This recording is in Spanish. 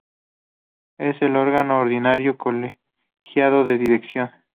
Es el órgano ordinario colegiado de dirección.